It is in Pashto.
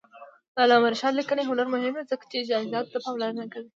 د علامه رشاد لیکنی هنر مهم دی ځکه چې جزئیاتو ته پاملرنه کوي.